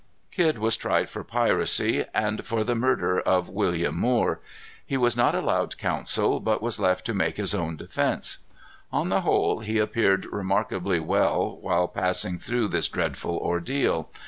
Kidd was tried for piracy, and for the murder of William Moore. He was not allowed counsel, but was left to make his own defence. On the whole, he appeared remarkably well while passing through this dreadful ordeal.